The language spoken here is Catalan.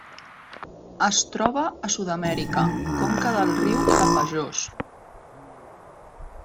Es troba a Sud-amèrica: conca del riu Tapajós.